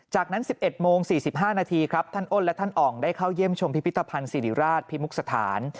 จากนั้น๑๑โมง๔๕นาทีครับท่านอ้นและท่านอ่องได้เข้าเยี่ยมชมพิพิธภัณฑ์สิริราชพิมุกสถาน